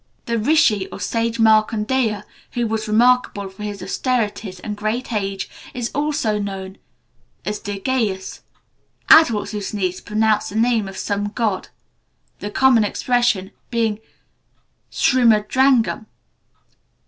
The rishi or sage Markandeya, who was remarkable for his austerities and great age, is also known as Dirgayus. Adults who sneeze pronounce the name of some god, the common expression being "Srimadrangam."